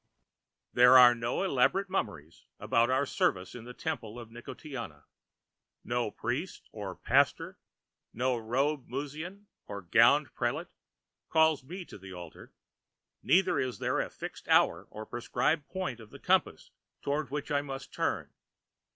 There are no elaborate mummeries about our service in the temple of Nicotiana. No priest or pastor, no robed muezzin or gowned prelate calls me to the altar. Neither is there fixed hour or prescribed point of the compass towards which I must turn.